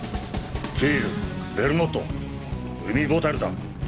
キールベルモット海ボタルだ！